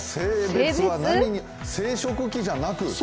生殖器じゃなく？